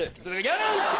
やらんて！